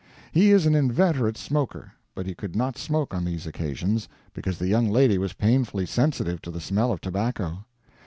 He is an inveterate smoker; but he could not smoke on these occasions, because the young lady was painfully sensitive to the smell of tobacco.